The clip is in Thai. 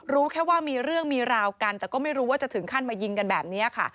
รู้แค่ว่ามีเรื่องมีราวกันแต่ก็ไม่รู้ว่าจะถึงขั้นมายิงกันแบบนี้ค่ะ